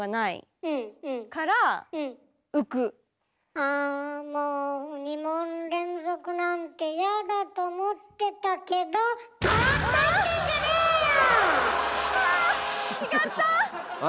あもう２問連続なんてやだと思ってたけどああ！